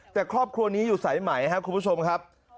แต่ครอบครัวนี้อยู่สายไหมครับคุณผู้ชมครับ